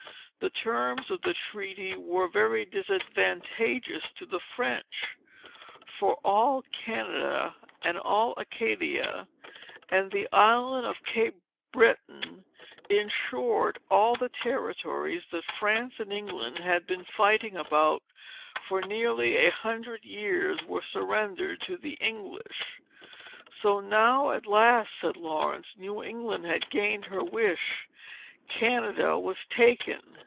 The terms of the treaty were very disadvantageous to the French; for all Canada, and all Acadia, and the island of Cape Breton, in short, all the territories that France and England had been fighting about, for nearly a hundred years—were surrendered to the English." "So, now, at last," said Laurence, "New England had gained her wish. Canada was taken!"